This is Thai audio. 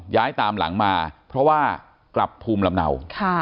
ย้ายตามหลังมาเพราะว่ากลับภูมิลำเนา